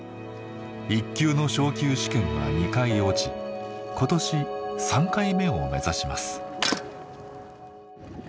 １級の昇級試験は２回落ち今年３回目を目指します。